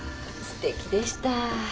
すてきでした。